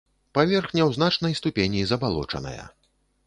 Паверхня ў значнай ступені забалочаная.